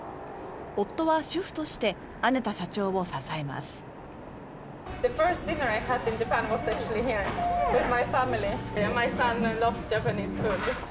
夫は主夫としてアネタ社長を支えます。